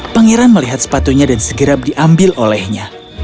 pangeran melihat sepatunya dan segera diambil olehnya